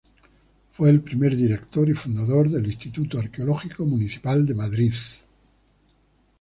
Fue el primer director y fundador del Instituto Arqueológico Municipal de Madrid.